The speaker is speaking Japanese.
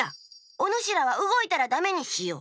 おぬしらはうごいたらダメにしよう。